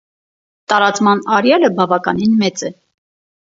Տարածման արեալը բավականին մեծ է։